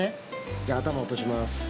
じゃあ頭落とします。